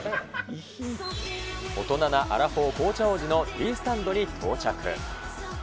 大人なアラフォー紅茶王子のティースタンドに到着。